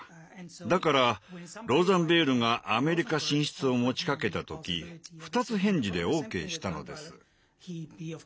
だからローザンベールがアメリカ進出を持ちかけた時二つ返事でＯＫしたのです。